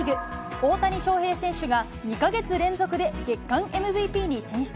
大谷翔平選手が、２か月連続で月間ＭＶＰに選出。